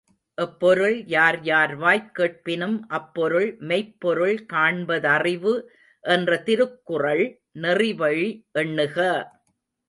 எப்பொருள் யார்யார்வாய்க் கேட்பினும் அப்பொருள் மெய்ப்பொருள் காண்ப தறிவு என்ற திருக்குறள் நெறிவழி எண்ணுக!